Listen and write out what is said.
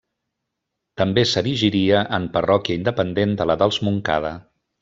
També s'erigiria en parròquia independent de la dels Montcada.